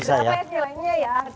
sampai senyumannya ya